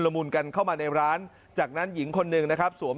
มุนกันเข้ามาในร้านจากนั้นหญิงคนหนึ่งนะครับสวม